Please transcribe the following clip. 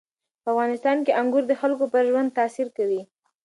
په افغانستان کې انګور د خلکو پر ژوند تاثیر کوي.